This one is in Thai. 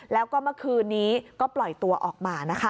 แล้วก็เมื่อคืนนี้ก็ปล่อยตัวออกมานะคะ